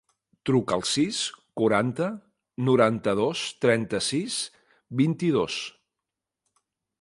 Truca al sis, quaranta, noranta-dos, trenta-sis, vint-i-dos.